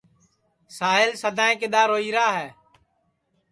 ساہیل سدائی کِدؔا روئی را ہے